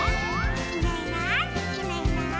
「いないいないいないいない」